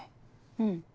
うん。